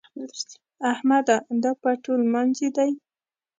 احمده! دا پټو لمانځي دی؟